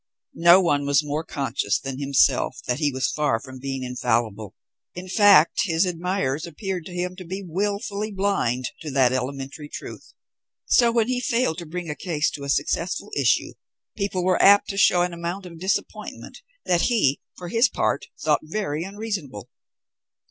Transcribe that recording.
No one was more conscious than himself that he was far from being infallible; in fact, his admirers appeared to him to be wilfully blind to that elementary truth; so that when he failed to bring a case to a successful issue people were apt to show an amount of disappointment that he, for his part, thought very unreasonable.